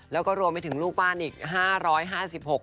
และก็รวมไปถึงลูกบ้านอีก